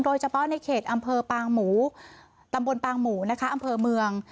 โดยเฉพาะในเขตอำเภอปางหมูตำบลปางหมูนะคะอำเภอเมือง